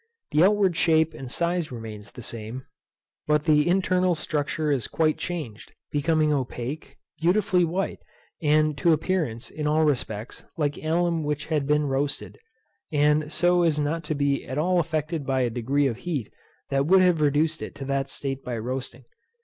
The outward shape and size remain the same, but the internal structure is quite changed, becoming opaque, beautifully white, and, to appearance, in all respects, like alum which had been roasted; and so as not to be at all affected by a degree of heat that would have reduced it to that state by roasting.